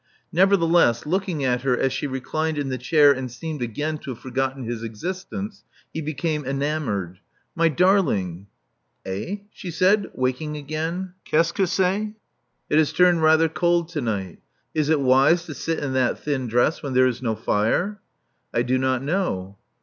Nevertheless, looking at her as she reclined in the chair, and seemed again to have for gotten his existence, he became enamored. •*My darling!" Eh?" she said, waking again. Qu*est ce, que c*est?" It has turned rather cold to night. Is it wise to sit in that thin dress when there is no fire?" I do not know."